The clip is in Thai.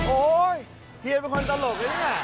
โอ๊ยเฮียเป็นคนตลกนะเนี่ย